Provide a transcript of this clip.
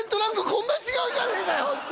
こんな違うじゃねえかよって？